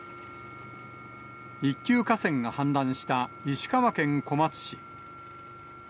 一級河川が氾濫した石川県小